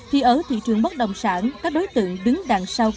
thì ở thị trường bất đồng sản các đối tượng đứng đằng sau cơn sốc đất